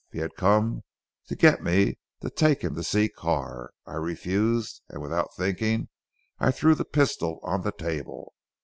He had come to get me to take him to see Carr. I refused, and without thinking I threw the pistol on the table.